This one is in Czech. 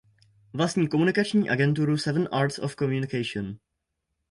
Vlastní komunikační agenturu Seven Arts of Communication.